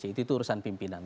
itu urusan pimpinan